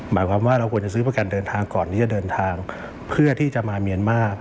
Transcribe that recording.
หมายความว่าเราควรจะซื้อประกันเดินทางก่อนที่จะเดินทางเพื่อที่จะมาเมียนมาร์